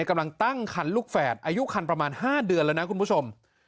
กำลังตั้งคันลูกแฝดอายุคันประมาณ๕เดือนแล้วนะคุณผู้ชม